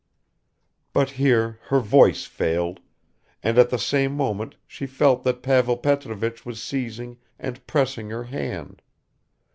." But here her voice failed, and at the same moment she felt that Pavel Petrovich was seizing and pressing her hand